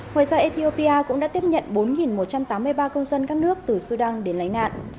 ngoài ra ethiopia cũng đã tiếp nhận bốn một trăm tám mươi ba công dân các nước từ sudan đến lấy nạn